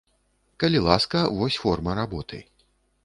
Калі ласка, вось форма работы.